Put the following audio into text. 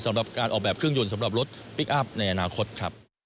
สำหรับการออกแบบเครื่องยนต์สำหรับรถพลิกอัพในอนาคตครับ